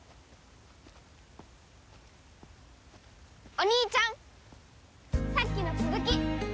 お兄ちゃんさっきの続き！